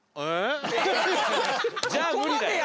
じゃあ無理だよ。